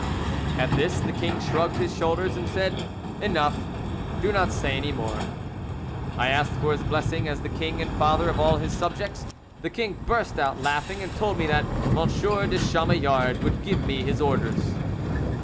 "At this the king shrugged his shoulders and said, 'Enough, do not say any more.' I asked for his blessing as the king and father of all his subjects. The king burst out laughing, and told me that M. de Chamillard would give me his orders."